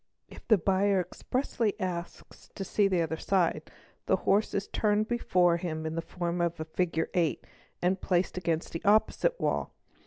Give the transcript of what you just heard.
If the buyer expressly asks to see the other side, the horse is turned before him in the form of the figure eight, and placed against the opposite wall.